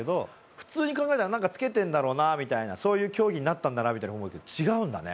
普通に考えたら何かつけてるんだろうなみたいなそういう競技になったんだなみたいに思うけど違うんだね。